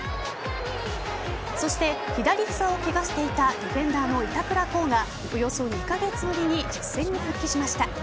そして左膝をケガしていたディフェンダーの板倉滉がおよそ２カ月ぶりに実戦に復帰しました。